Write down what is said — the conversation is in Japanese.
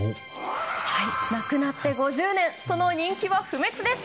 亡くなって５０年その人気は不滅です。